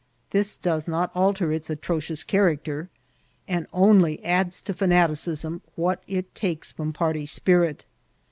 '' This does not alter its atrocious character, and only adds to fanaticism what it takes from party spirit.